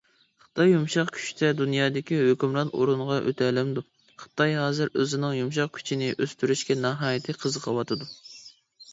خىتاي يۇمشاق كۈچتە دۇنيادىكى ھۆكۈمران ئورۇنغا ئۆتەلەمدۇ؟ خىتاي ھازىر ئۆزىنىڭ يۇمشاق كۈچىنى ئۆستۈرۈشكە ناھايىتى قىزىقىۋاتىدۇ.